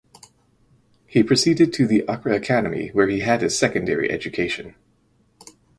He proceeded to the Accra Academy where he had his secondary education.